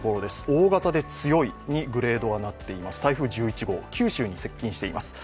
大型で強いにグレードはなっています、台風１１号、九州に接近しています。